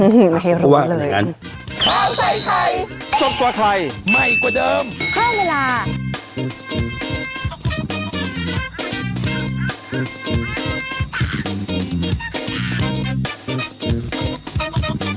อืมไม่รู้เลยเพราะว่าอย่างงั้น